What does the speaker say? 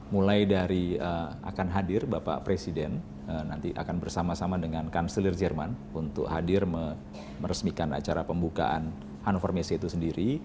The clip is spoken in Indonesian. mulai dari akan hadir bapak presiden nanti akan bersama sama dengan kanselir jerman untuk hadir meresmikan acara pembukaan hannover messe itu sendiri